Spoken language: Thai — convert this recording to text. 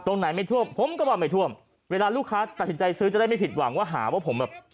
ตรงไหนไม่ท่วมผมก็ว่าไม่ท่วมเวลาลูกค้าตัดสินใจซื้อจะได้ไม่ผิดหวังว่าหาว่าผมแบบ